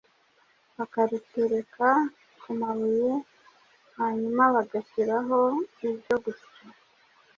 bakarutereka ku mabuye hanyuma bagashyiraho ibyo gusya,